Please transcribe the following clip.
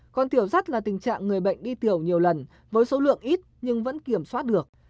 còn tiểu dắt là tình trạng người bệnh đi tiểu nhiều lần với số lượng ít nhưng vẫn kiểm soát được